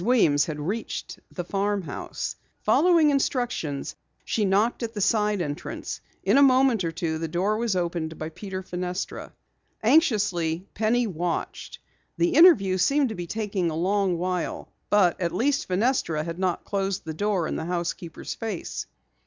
Weems had reached the farmhouse. Following instructions, she knocked at the side entrance. In a moment or two the door was opened by Peter Fenestra. Anxiously, Penny watched. The interview seemed to be taking a long while, but at least Fenestra had not closed the door in the housekeeper's face.